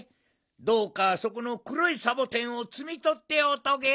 どうかそこのくろいサボテンをつみとっておトゲ。